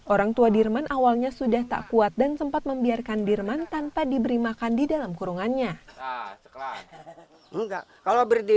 orang tua dirman awalnya sudah tak kuat dan sempat membiarkan dirman tanpa diberi makan di dalam kurungannya